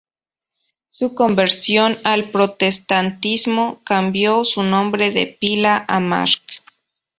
Con su conversión al protestantismo cambió su nombre de pila a Mark.